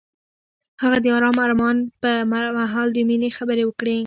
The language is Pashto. هغه د آرام آرمان پر مهال د مینې خبرې وکړې.